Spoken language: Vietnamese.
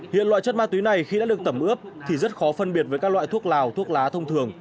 hiện loại chất ma túy này khi đã được tẩm ướp thì rất khó phân biệt với các loại thuốc lào thuốc lá thông thường